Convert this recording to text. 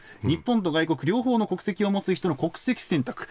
日本と外国、両方の国籍を持つ人の国籍選択。